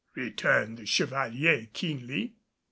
returned the Chevalier keenly.